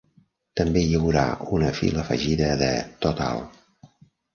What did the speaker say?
També hi haurà una fila afegida de "Total".